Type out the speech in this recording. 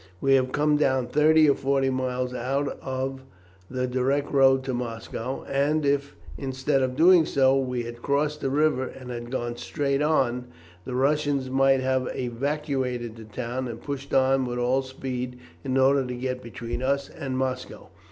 We have come down thirty or forty miles out of the direct road to Moscow, and if, instead of doing so, we had crossed the river, and had gone straight on, the Russians must have evacuated the town and pushed on with all speed in order to get between us and Moscow.